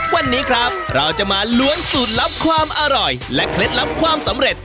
วันนี้ครับเราจะมาล้วนสูตรลับความอร่อยและเคล็ดลับความสำเร็จ